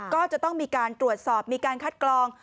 ก็จะต้องมีการตรวจสอบมีการคัดกรอง